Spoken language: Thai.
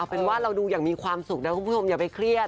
เป็นว่าเราดูอย่างมีความสุขนะคุณผู้ชมอย่าไปเครียด